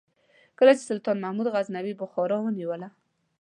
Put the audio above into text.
کله چې سلطان محمود غزنوي بخارا ونیوله.